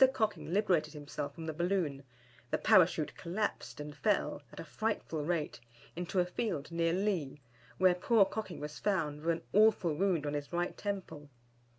Cocking liberated himself from the balloon, the Parachute collapsed and fell, at a frightful rate, into a field near Lea, where poor Cocking was found with an awful wound on his right temple.